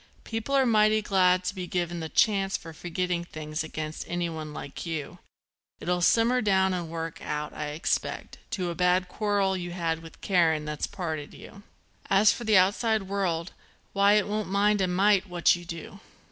People are mighty glad to be given the chance for forgetting things against anyone like you. It'll simmer down and work out, I expect, to a bad quarrel you had with Karen that's parted you. And as for the outside world, why it won't mind a mite what you do.